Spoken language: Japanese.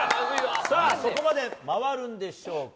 そこまで回るんでしょうか。